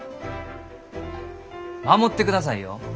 守ってくださいよ。